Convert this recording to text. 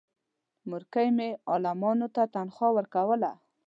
مورکۍ مې عالمانو ته تنخوا ورکوله.